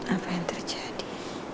apa yang terjadi